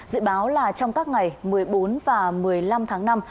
dự báo là trong các ngày một mươi bốn và một mươi năm tháng năm